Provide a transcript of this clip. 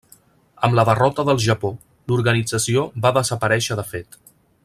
Amb la derrota del Japó l'organització va desaparèixer de fet.